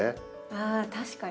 ああ確かに。